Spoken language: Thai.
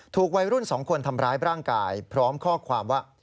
วัยรุ่น๒คนทำร้ายร่างกายพร้อมข้อความว่า